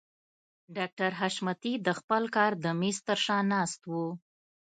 ډاکټر حشمتي د خپل کار د مېز تر شا ناست و.